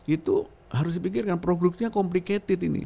itu harus dipikirkan produknya complicated ini